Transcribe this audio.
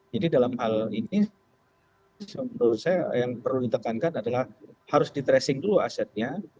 jadi dalam hal ini contohnya yang perlu ditekankan adalah harus di tracing dulu asetnya